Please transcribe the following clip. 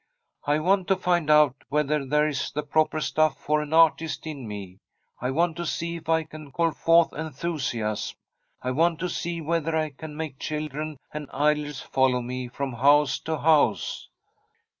' I want to find out whether there is the proper stuff for an artist in me. I want to see if I can call forth enthusiasm. I want to see whether 1 can make children and idlers fol low me from house to house.'